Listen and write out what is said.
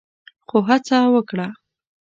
خو هڅه وکړه